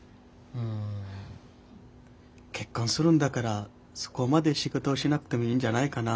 うん。結婚するんだからそこまで仕事をしなくてもいいんじゃないかな？